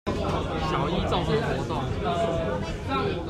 小一綜合活動